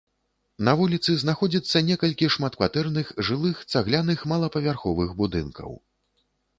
На вуліцы знаходзіцца некалькі шматкватэрных жылых цагляных малапавярховых будынкаў.